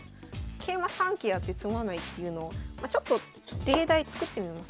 桂馬三桂あって詰まないっていうのちょっと例題作ってみますか。